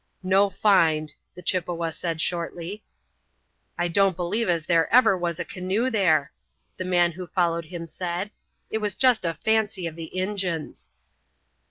"No find," the Chippewa said shortly. "I don't believe as there ever was a canoe there," the man who followed him said. "It was jest a fancy of the Injun's."